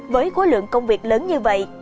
với khối lượng công việc lớn như vậy